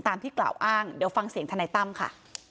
ที่กล่าวอ้างเดี๋ยวฟังเสียงทนายตั้มค่ะ